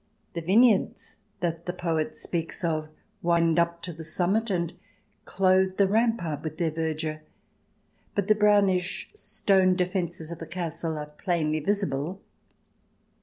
The vineyards that the poet speaks of wind up to the summit and clothe the rampart with their verdure, but the brownish stone defences of the castle are plainly visible.